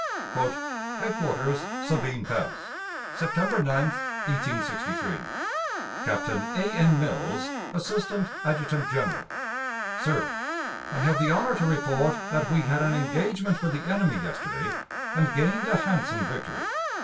_ "HEADQUARTERS, SABINE PASS, "September 9, 1863. "Captain A. N. MILLS, Assistant Adjutant General. "SIR: I have the honor to report that we had an engagement with the enemy yesterday and gained a handsome victory.